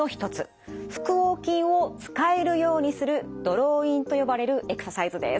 横筋を使えるようにするドローインと呼ばれるエクササイズです。